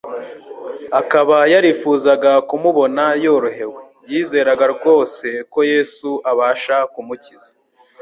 akaba yarifuzaga kumubona yorohewe. Yizeraga rwose ko Yesu abasha kUmukiza.